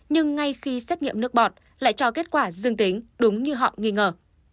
nhưng ngay khi xét nghiệm nước bọt lại cho kết quả dương tính đúng như họ nghi ngờ